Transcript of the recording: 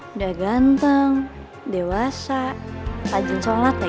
udah ganteng dewasa rajin sholat ya